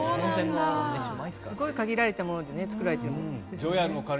すごい限られたもので作られているものね。